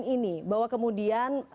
ini bahwa kemudian